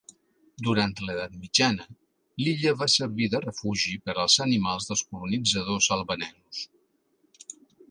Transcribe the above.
Durant l'edat mitjana, l'illa va servir de refugi per als animals dels colonitzadors albanesos.